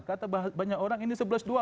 kata banyak orang ini sebelas dua